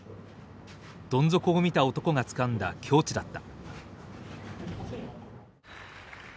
どん底を見た男がつかんだ境地だった。